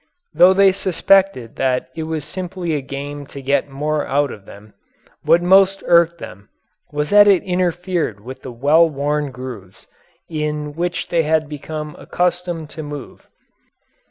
Though they suspected that it was simply a game to get more out of them, what most irked them was that it interfered with the well worn grooves in which they had become accustomed to move.